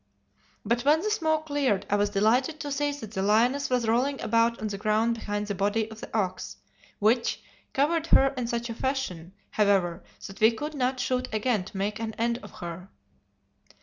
But when the smoke cleared, I was delighted to see that the lioness was rolling about on the ground behind the body of the ox, which covered her in such a fashion, however, that we could not shoot again to make an end of her.